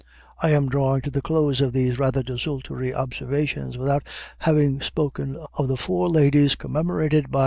I am drawing to the close of these rather desultory observations without having spoken of the four ladies commemorated by M.